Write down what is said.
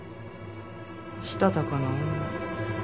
したたかな女。